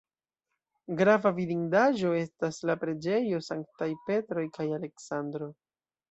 Grava vidindaĵo estas la preĝejo Sanktaj Petro kaj Aleksandro.